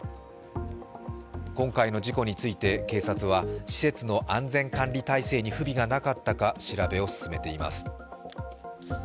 今回の事故について警察は施設の安全管理体制に不備がなかったか調べを進めています。